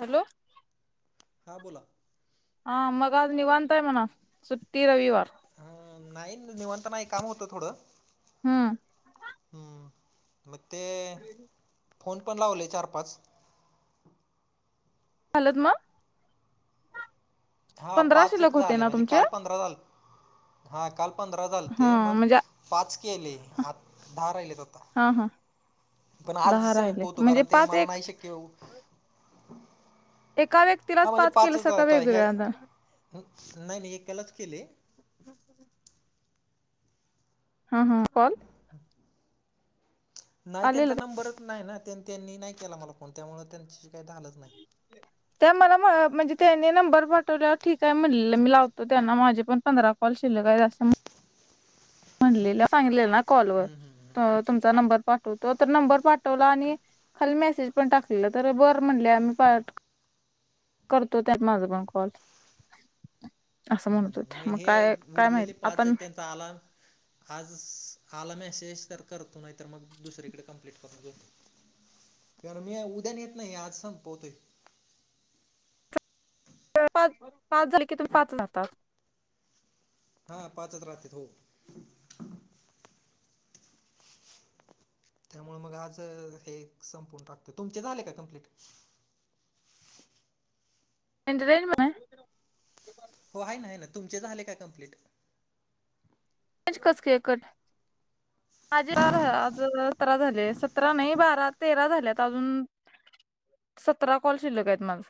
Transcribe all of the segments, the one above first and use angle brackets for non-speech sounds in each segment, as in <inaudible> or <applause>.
Hello. हां बोला. हा मग निवाांता आहे मना सुट्टी रविवार अं नाही निवांता नाही काम होतं थोडं हम्म हम्म. मग ते फोन पण लावले चार पाच हलत. हा पंधरा पाच शिल्लक एक होते झाले ना म्हणजे तुमचे काल पंधरा झालं. हा काल पंधरा झाल हा ते मग म्हणजे पाच केले आ दहा राहिलेत आता. हा हा पण आज दहा राहिले संपवतो म्हणजे कारण ते पाच मला एक नाही शक्य. एका हा व्यक्तीलाच म्हणजे पाच केलं पाचच स कां आता ह्या वेगवेगळ्याना. नाही नाही एकालाच केले. हा हां कोण? नाही आलेला त्यांचा नंबरच नाही ना त्यां त्यांनी नाही केला मला फोन त्यामुळे त्यांच्याशी काही झालंच नाही. त्या मला म्हणजे त्यानी नंबर पाठवलेवर ठीक आहे म्हणलं मी लावतो त्यांना माझे पण पंधरा कॉल शिल काय असून म्हलेल्या सांगेना कॉलवर तर तुमचा नंबर पाठवतो तर नंबर पाठवला आणि खाली मेसेज पण टाकलेलं तर बरं म्हटले आम्ही पाट करतो त्यातना माझ पण कॉल असं म्हणत हम्म, होते मग काय काय माहिती आपण ताला आज <unintelligible> आला मेसेज तर करतो नाही तर मग दुसरीकडे कंप्लीट करून घऊ. कारण मी उद्या येत नाही आज सण पहतोय. साडेपाच पाच झाले की तुमही पाच लावतात. हा पाचच रात्रीत हो. त्यामुळे मग आज <unintelligible> हे संपून टाकत तुमचे झाले का कमप्लीट. एंटरटेनमं <unintelligible> हो आहे ना आहे ना तुमचे झाले का कम्प्लीट. पज कस केकट माझे आज <unintelligible> सतरा झाले सतरा नाही बारा तेरा झाल्यात अजून सतरा कॉल शिल्लक आहेत माझ.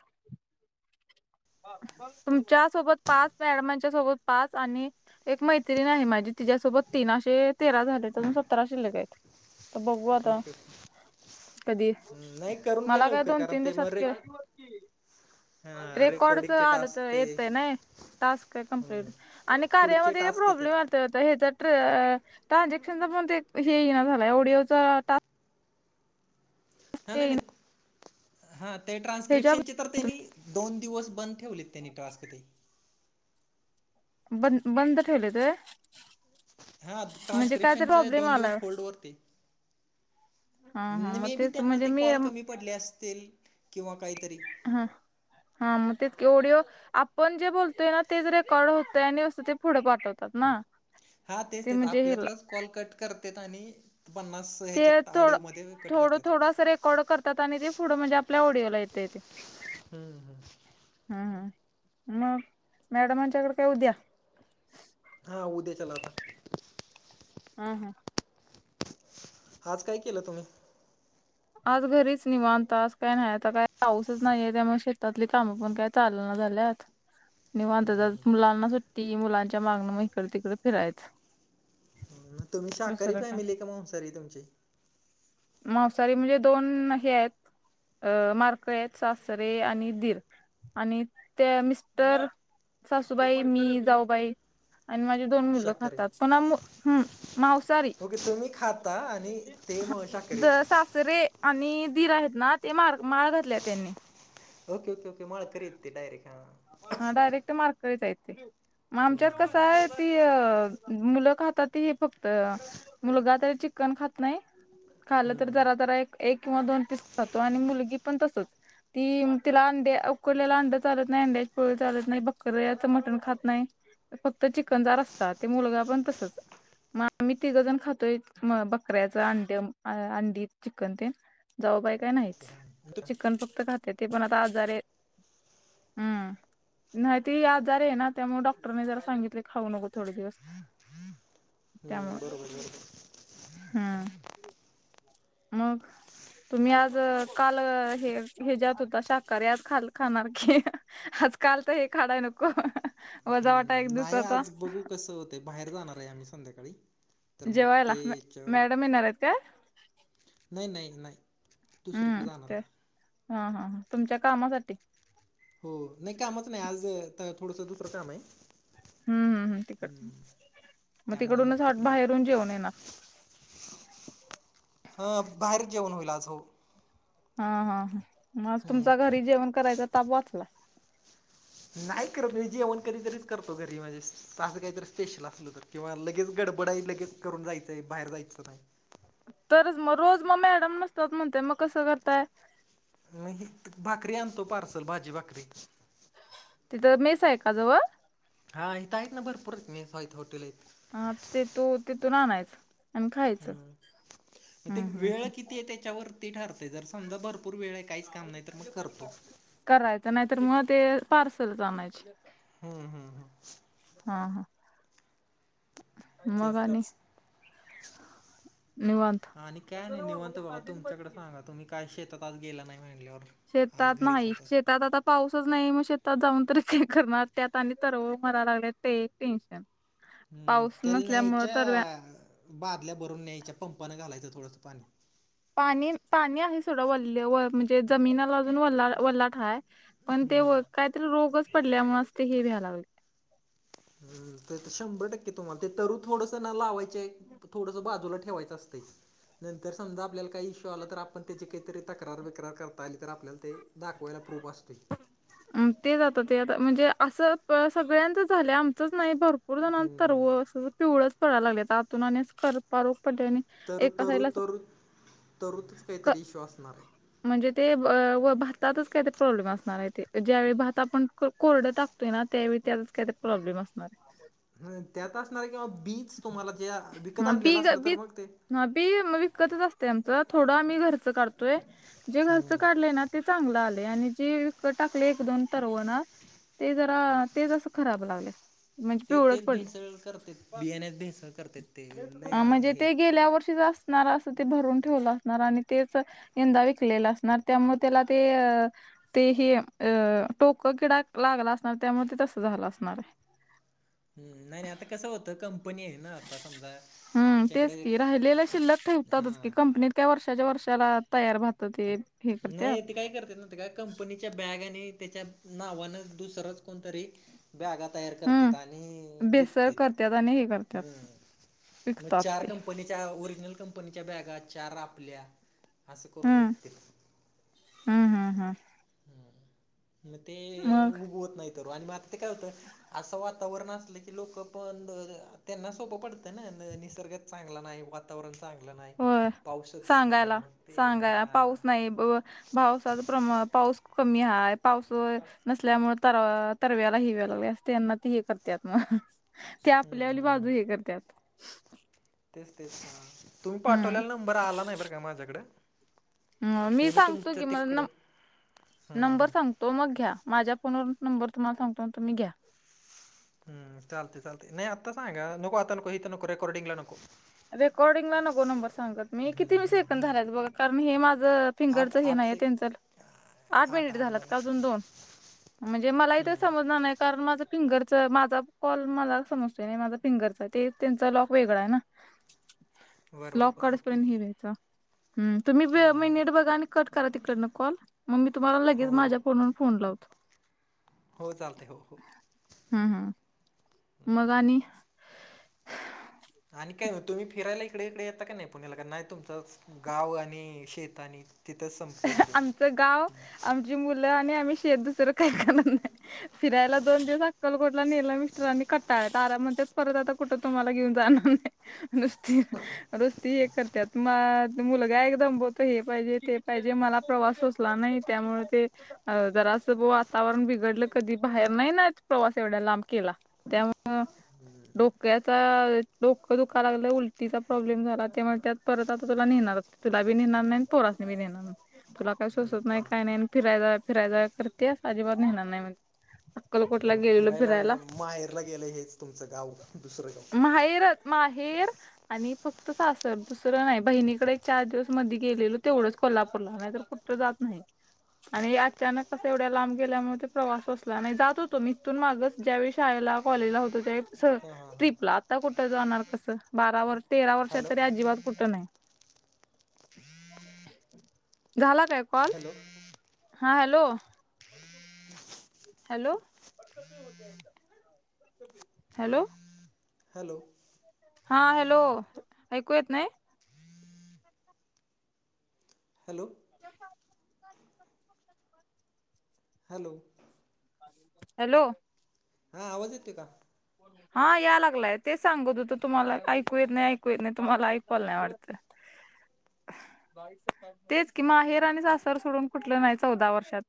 तुमच्या सोबत पाच मॅडमांच्या सोबत पाच आणि एक मैत्रीणी नाही माझी तिच्या्यासोबत तीनाशे असे तेरा झाले त्याजून सत्तरा शिल्ले ग आहेत. त बघू आता ओके कधी हम्म, नाही करून घ्या मला काय लवकर दोन कारण तीन ते मग दिवसातक रेक हां रेकॉर्डच रेकॉर्डिंगचे आलं तर टास्क ते येतय ना. तास्क आहे कमप्लीट हम्म, आणि पुढचे कार्यामध्ये हे टास्क प्रॉब्लेम येतात आहेत. तर ते ह्याच्यात त ट्रानझॅक्शन ला पण ते हे येईना असा झाला ओडिओ चा आता. हा नाही येईना नाही हा ते ह्याच्या ट्रान्क्रिप्शन तरनी दोन दिवस बंद. ठेवोलित त्यांनी टास्क तेथे बंद बंद ठेवले ते हा म्हणजे काय तर ट्रान्स्क्रिप्शन चे प्रॉब्लेम दोन आलाय दिवस होल्ड वरती हा हा मग मे बी तेच त्यांना म्हणजे ते मी कॉल कमी पडले असतील किंवा काहीतरी हा हा म ते ओडओ. आपण जे बोलतोय ना तेच रेकॉर्ड होतय आणि ते पुढे पाठवतात ना. हा तेच ते तेच म्हणजे हेला आपल्यातलाच कॉल कट करते आणि पन्नास ते ह्याच्या थोडं ऑडिओमध्ये. कट थोडं करतात थोडं असं रेकॉर्ड करतात आणि ते पुढं म्हणजे आपल्या ऑडिओला येते येते. हम्म ह. हम् ह मग मॅडमांच्याकडे काय उद्या. हा उद्या चलावता. हॅम हम्म. आज काय केलं तुम्ही? आज घरीच निवांत आज काय नाही आता काय पाऊसच नाहीय त्यामुळेग शेतातली कामं पण काय चालना झाल्यात. <inaudible> निवांत जात मुलांना सुट्टी मुलांच्या मागनं मग इकड तिकडे फिरायच. मग तुम्ही शाकहारी फॅमिली का म्हन सर तुमची? मवसारी म्हणजे दोन हे आहेत. अ मारकळ सासरे आणि दीर आणि त्या मिस्टर. सासूबाई मि जाव बाई. आणि माझी दोन मुलं शाकाहारी खातात पणा हम् मावसारी. ओके तुम्ही खाता आणि ते म शाकारी. त सासरे आणि दीर आहेत ना ते मार माळ घातले त्यांनी ओके ओके ओके मा कररीतते डयरेट हा. हा डायरेक्ट मारकळीच येते मग आमच्यात कसं आहेत. ती अ मुलं खाताती हे फक्त मुलगा तरी चिकन खात नाही. खालं तर जरा जरा एक एक किंवा दोन पीस खातो आणि मुलगी पण तसच. ती तिला अंडडे उकडलेला अंड चालत नाही अंड्या. होय चालत नाही बकऱ्याच मटण खात नाही. फक्त चिकनदार असतात ते मुलगा पण तसच. मग मी तिघजण खातोय म बकऱ्याच अंड्या अंडी चिकन ते. जाव बाय काय नाहीच हम्म, चिकन फक्त खाते ते पण आता आजारे हम्म. नाही ते आजार आहे ना त्यामुळे डॉक्टरने जरा सांगितले खाऊ नको थोडे दिवस. हम्म त्यामुळे बरोबर बरोबर. हम्म. मग. तुम्ही आज काल हे हे जत होता शाकाहारी आज खा खाणार की. आजकाल तर हे खाडाय नको हां हां वजा वाट. हम्म, नाही आज बघू कसं होत बाहेर जाणार आहे आम्ही संध्याकाळी तर मग जेवायला ते म याच्यावर मॅडम येणार आहेत काय? नाही नाही नाही. दुसरीकडे हम्म जाणार ते आहे हा हा तुमच्या कामासाठी. हो नाही कामच नाही आज थोडसं दुसरं काम आहे. हम्म हम्म तिकड मग त्यामुळं तिकडूनच तिकडे जाऊ. बाहेरून जेऊन येणार. हा बाहेर जेवण होईल आज हो. हा हा हा मग हम्म, तुमचा घरी जेवण करायचा ताप वाचला. नाही करत मी जेवण कधीतरीच करतो घरी माझे. असं काही तर स्पेशल असल तर किंवा लगेच गडबडाई लगेच करून जायचंय बाहेर जायचं नाही. तरच मग रोज मग मॅडम नसतात म्हणते मग कसं करताय? नाही भाकरी आणतो पार्सल भाजी भाकरी. तिथं मेस आहे का जवळ. हा इथं आहेत ना भरपूरच मेस आहेत हॉटेल आहेत. हा तेथू तिथून आणायचं आणि खायचं हम्म. मग ते हम् हम्. वेळ किती ते त्याच्यावरती ठरते जर समजा भरपूर वेळ आहे काहीच काम नाही तर मग करतो. करायचं नाही तर मग ते पार्सलच आणायचे. हम्म हम्म हम्. हा हा. <unintelligible> मग आणि निवांत आणि काय नाही निवत बघा तुमच्याकडे सांगा तुम्ही काय शेतात आज गेला नाही म्हणल्यावर. आज शेतात घरीच नाही होतात शेतात आता पाऊसच नाही मग शेतात जाऊन तरी ते करणार त्यात आणि तरळ मरायला लागले ते टेन्शन. हम्म पाऊस त्याला नसल्यामुळे तरव्या न्यायच्या बादल्या भरून न्यायच्या पंपानं घालायचं थोडसं पाणी. पाणी पाणी आहे सोडा वल्ले व म्हणजे जमिनला अजून वल्ला वल्लाठाय. पण हम्म ते व काहीतरी रोगच पडल्या मस् ते हे व्यायला लागलय. हम्म तर शंभर टक्के तुम्हाला ते तरु थोडंस ना लावायचं आहेत. थोडस बाजूला ठेवायचं असतय. नंतर समजा आपल्याला काही इश्यू आला तर आपण त्याची तक्रार बीक्रार करता आली तर आपल्याला ते दाखवायला प्रूप असतोय. हम तेच आता ते आता म्हणजे असं सगळ्यांच झालं आम च नाही भरपूर जणांच तरव अस पिवळच पडयला लागलय आता आतून आणि करपारोग पडले आणि. तर तरु तरु तरुतच क- काहीतरी इश्यू असणार हाय. म्हणजे ते व भातातच काही ते प्रॉब्लेम असणार आहे ते ज्यावेळी भात आपण को कोरड टाक तेना त्यावेळी त्याच काहीतरी प्रॉब्लेम असणार हाय. हा त्यात असणार किंवा बीच तुम्हाला जे बिकत आणलेलं असलं तर मग ते ह बी म विकतच असतेय आमच थोडं आम्ही घरच काढतोय जे हो घरचं काढलंय ना. ते चांगलं आलय आणि जे विकत टाकलय एक दोन तरव ना ते जरा तेच असा खराब लागल्यात. ते तेच भेसळ करतेत बियाण्यात भेसळ कर अ म्हणजे ते गेल्या वर्षीच असणार असं ते भरून ठेवलं असणार आणि तेच. यंदा विकलेला असणार त्यामुळे त्याला ते अ ते हे अ टोक किडाक लागला असणार त्यामुळे ते तसं झालं असणार आहे. हम्म नाही नाही आता कसं होतं कम कंपनी आहे ना आता समजा हम्म तेच आमच्याकडे की हां. त्या वर्षाच्या वर्षाला तयार भारतात हे. नाही करत्यात ते काय करतेत ना ते काय कम पनीच्या बॅग आणि त्याच्या नावान दुसच कोणतरी. बॅगा तयार हम्म करत्यात आणि बेसर करत्यात आणि हे विकत्यात करत्यात हम्म. विकतात ते. पनीच्या ओरिजनल कंपनीच्या बॅगा चार आपल्या असं करून विकतेत. हा हा हा. हम मग ते मग उगवत नाही तरू आणि बाकी ते काय होतं. असं वातावरण असलं की लोक पण त्यांना सोपं पडतं ना निस निसर्गात चांगला नाही वात वातावरण चांगलं नाही होय पाऊसच नाही सांगायला मग ते सांगायला हा पाऊस नाही पावसाच प्रमा पाऊस कमी <unintelligible> पाऊस नसल्यामुळे तर तरव्याला हिव्या लागले असते यांना ते हे करतेत मग <unintelligible> त्या आपल्या हम्म वाली हम्म बाजू हे करत्यात. तेच तेच तुम्ही हम्म पाठवल्याला नंबर आला नाही बर का माझ्याकड. ह मी सांगतो की मला न हम्म नंबर हम्म सांग तो मग घ्या माझ्या फोनवरून नंबर तुम्हाला सांगतो त मी घ्या. हम्म चालतंय चालतंय नाही आता सांगा नको आता नको इथं नको रेकॉर्डिंगला नको. रेकॉर्डिंगला नको नंबर सांगत मी हम्म किती मी सेकन झालायच बघा कारण हे माझं. आठ फिंगरच हे आठ नाहीय से त्यांच. आठ मिनिट झालात का अजून दोन म्हणजे मला इथं हम्म समजणार नाही. कारण माझं फिंगरच माझा कॉल मला समजतोय नाही माझा फिंगरचा ते त्यांचा लॉक वेगळा आहे ना. बरं बरं लॉक बरं ओके कडूसपर्यंत हे ओके व्यायचा. हम्म तुम्ही ब हम्म, महिनट बघा आणि कट करा तिकडनं कॉल. मग मी तुम्हाला हो लगेच हो माझ्या फोनून फोन लावतो. हो चालते हो हो. हा हा. मग आणि. आणि काय नाही तुम्ही फिरायला इकडे इकडे यता का नाही पुण्याला का नाही तुमंच. गाव आणि शेत आणि तिथंच संपतंय सगळं. मु आणि आम्ही शेत दुस काही कर नाही. फिरायला दोन दिवस अक्कलकोटला नेला मिस्रांनी कटाळ तारा म्हण. परत आता कुठ तुम्हाला घेऊन जाणार नाही नुसती नुसती हे करते. म मुलगा एकदम बतो हे पाहिजे ते पाहिजे मला प्रवास सोचला नाही त्यामुळे ते. अ जरा असं वातावरण बिघडलं कधी बाहेर नाही ना प्रवास एवढा लांब केला. त्यामु. डोक्याचा डोकं दुखाला लागलं उलटीचा प्रॉब्लेम झाला त्यामुळे त्यात परत आता तुला नेहणारच. तुला बी नेणार नाही पोरासनीीेणार. तुला काही सोसत नाही काही नाही फिराय जाव फिराय जाव करतेस अजिबात नेणार नाही म्हणजे अक्कलकोटला गेलेलो फिरायला नाहीजे माहेरला गेलं हेच तुमचं गाव दुसरं गाव. हैरत. माहेर आणि फक्त सासर दुसरं नाही बहिणीकडे एक चार दिवस मध गेलेलो तेवढंच. कोल्हापूरला नाहीतर कुठ जात नाही. आणि अचानक कस एवढ्या लांब गेल्यामुळे ते प्रवास अससला नाही जात होतो मथून मागच. ज्यावेळी शाळेला कॉलेजला होतो त्या स. हां हां हां ट्रिपला आता कुठं जाणार कसं बारा वर्ष तेरा वर्षात हॅलो तरी अजिबात कुठं नाही. झाला काय कॉल हॅलो हा हॅलो. Hello hello. हॅलो. हा हॅलो ऐकू येत ना. Hello <unintelligible> hello. हॅलो. हां आवाज येते का. हा या लागलाय तेच सांगू त त तुम्हाला ऐकू येत नाही ऐकू येत नाही तुम्हाला ऐकवायला नाही वाटत. <inaudible> तेच कि माहेर आणि सासर सोडून कुठलं नाही चौदा वर्षात.